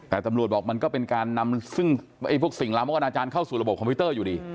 แต่ตำรวจบอกมันก็เป็นการนำซึ่งพวกสิ่งลามกอนาจารย์เข้าสู่ระบบคอมพิวเตอร์อยู่ดี